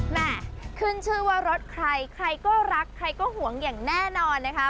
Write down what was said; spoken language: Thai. แม่ขึ้นชื่อว่ารถใครใครก็รักใครก็ห่วงอย่างแน่นอนนะคะ